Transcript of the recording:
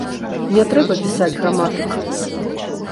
Не трэба пісаць граматык!